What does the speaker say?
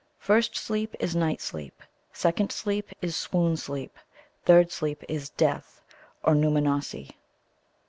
First Sleep is night sleep; Second Sleep is swoon sleep; Third Sleep is death, or Nōōmanossi.